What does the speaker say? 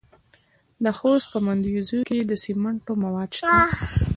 د خوست په مندوزیو کې د سمنټو مواد شته.